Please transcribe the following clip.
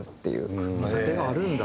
組み立てがあるんだ。